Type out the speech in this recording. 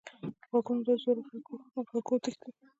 غوږونه له زوره غږو تښتي